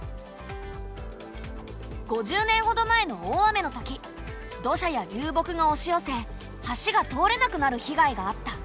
５０年ほど前の大雨の時土砂や流木がおし寄せ橋が通れなくなる被害があった。